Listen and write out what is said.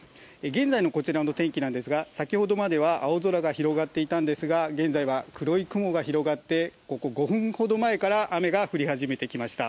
現在のこちらの天気なんですが、先ほどまでは青空が広がっていたんですが、現在は黒い雲が広がって、ここ５分ほど前から、雨が降り始めてきました。